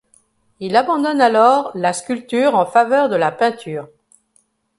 Il abandonne alors la sculpture en faveur de la peinture.